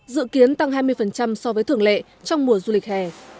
dự kiến tăng hai mươi so với thường lệ trong mùa du lịch hè